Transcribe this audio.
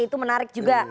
itu menarik juga